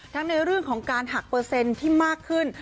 ในเรื่องของการหักเปอร์เซ็นต์ที่มากขึ้น